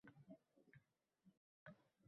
Uxshashi yuq onajonimsiz